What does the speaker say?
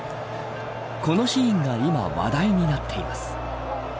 このシーンが今、話題になっています。